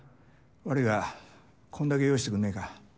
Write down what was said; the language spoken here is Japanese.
悪いがこんだけ用意してくんねぇか。